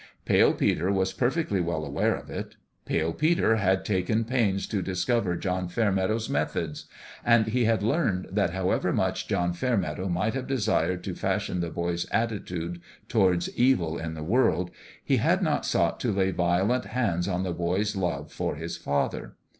Pale Peter was perfectly well aware of it. Pale Peter had taken pains to discover John Fair meadow's methods; and he had learned that however much John Fairmeadow might have desired to fashion the boy's attitude towards evil 292 FATHER AND SON in the world, he had not sought to lay violent hands on the boy's love for his father.